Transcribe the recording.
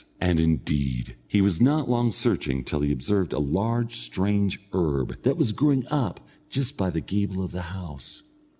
And, indeed, he was not long searching till he observed a large strange herb that was growing up just by the gable of the house.